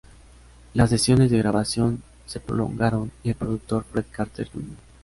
Las sesiones de grabación se prolongaron, y el productor Fred Carter, Jr.